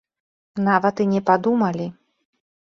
Нават і не падумалі.